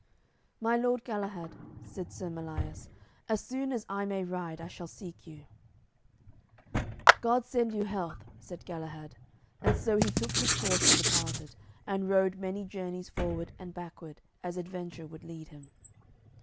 "My lord Galahad," said Sir Melias, "as soon as I may ride I shall seek you." "God send you health," said Galahad, and so he took his horse and departed, and rode many journeys forward and backward, as adventure would lead him.